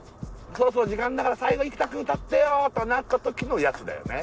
そろそろ時間だから最後生田くん歌ってよとなった時のやつだよね？